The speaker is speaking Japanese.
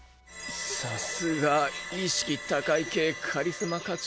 さすが意識高い系カリスマ課長。